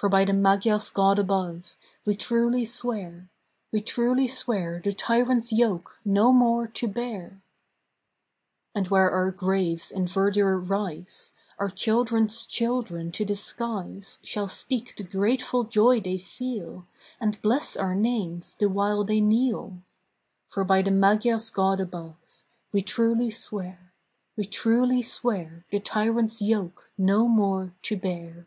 For by the Magyar's God above We truly swear, We truly swear the tyrant's yoke No more to bear! And where our graves in verdure rise, Our children's children to the skies Shall speak the grateful joy they feel. And bless our names the while they kneel. 409 AUSTRIA HUNGARY For by the Magyar's God above We truly swear, We truly swear the tyrant's yoke No more to bear!